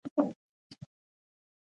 لاسونه له ماشوم سره لوبې کوي